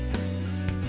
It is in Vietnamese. đã được tháng sáu